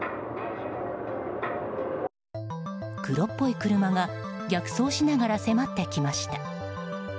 黒っぽい車が逆走しながら迫ってきました。